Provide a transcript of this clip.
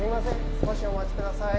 少しお待ちください